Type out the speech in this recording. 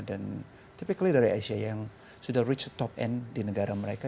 and typically dari asia yang sudah reach the top end di negara mereka